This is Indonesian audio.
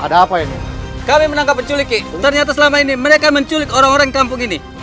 ada langga namun aku many cherryey ini titik itu lebih mengenakan sudah berani kayak gini